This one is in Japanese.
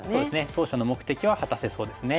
当初の目的は果たせそうですね。